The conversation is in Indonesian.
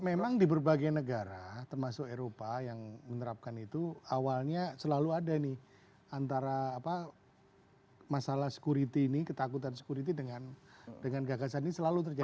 memang di berbagai negara termasuk eropa yang menerapkan itu awalnya selalu ada nih antara masalah security ini ketakutan security dengan gagasan ini selalu terjadi